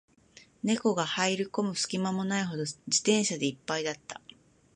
猫が入る込む隙間もないほど、自転車で一杯だった